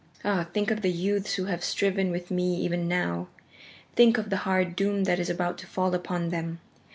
Ah, think of the youths who have striven with me even now! Think of the hard doom that is about to fall upon them!